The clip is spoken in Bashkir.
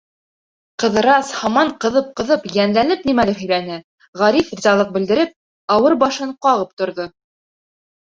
Ҡыҙырас, һаман ҡыҙып-ҡыҙып, йәнләнеп нимәлер һөйләне, Ғариф, ризалыҡ белдереп, ауыр башын ҡағып торҙо.